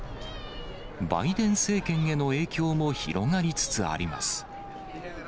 バイデン政権への影響も広がりつつあります。